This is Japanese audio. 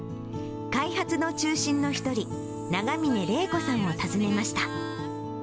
開発の中心の一人、永峰玲子さんを訪ねました。